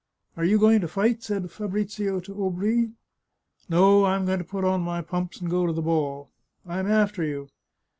" Are you going to fight ?" said Fabrizio to Aubry. " No ; I'm going to put on my pumps and go to the ball." " I'm after you."